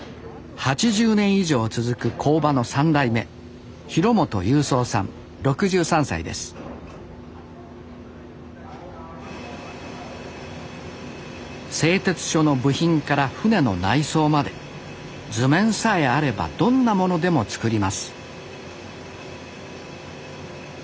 ８０年以上続く工場の３代目製鉄所の部品から船の内装まで図面さえあればどんなものでも作ります